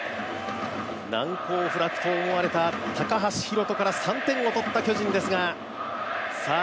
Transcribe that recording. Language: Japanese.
難攻不落と思われた高橋宏斗から３点を取った巨人ですがさあ